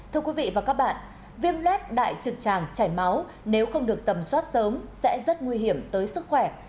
thưa quý vị và các bạn viêm lết đại trực tràng chảy máu nếu không được tầm soát sớm sẽ rất nguy hiểm tới sức khỏe